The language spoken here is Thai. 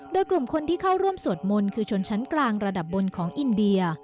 โดยกลุ่มคนที่เข้าร่วมสวดมนต์คือชนชั้นกลางระดับบนของอินเดีย